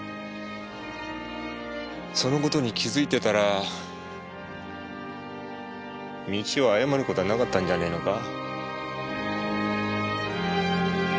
その事に気づいてたら道を誤る事はなかったんじゃねえのか？